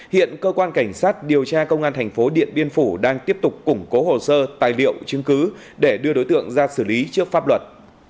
hiện cơ quan cảnh sát điều tra công an thành phố điện biên phủ đang tiếp tục củng cố hồ sơ tài liệu chứng cứ để đưa đối tượng ra xử lý trước pháp luật